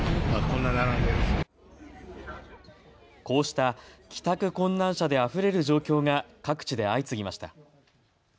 こうした帰宅困難者であふれる状況が各地で相次ぎました。